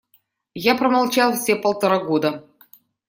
Я промолчал все полтора года.